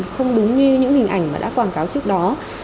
không đúng như những hình ảnh mà đã quảng cáo trước đó